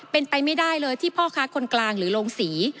เป็นไปไม่ได้เลยที่พ่อค้าคนกลางหรือโรงศรี